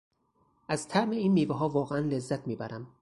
از طعم این میوهها واقعا لذت میبرم.